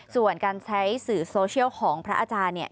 ส่วนการใช้สื่อโซเชียลของพระอาจารย์เนี่ย